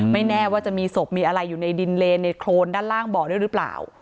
ไม่แน่ว่าจะมีศพมีอะไรอยู่ในดินเลนในโครนด้านล่างบ่อด้วยหรือเปล่า